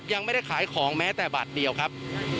ยังไม่ได้ขายของแม้แต่บาทเดียวครับ